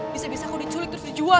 bisa bisa kok diculik terus dijual